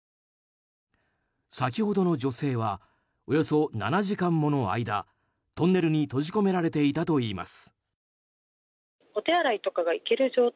先ほどの女性はおよそ７時間もの間トンネルに閉じ込められていたといいます。